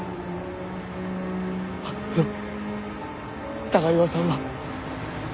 あの高岩さんは？